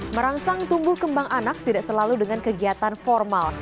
merangsang tumbuh kembang anak tidak selalu dengan kegiatan formal